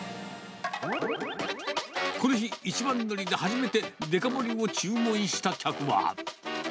この日、一番乗りで初めてデカ盛りを注文した客は。